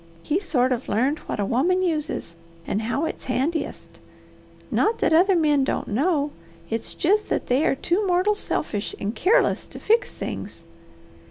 He sort of learned what a woman uses, and how it's handiest. Not that other men don't know; it's jest that they are too mortal selfish and keerless to fix things.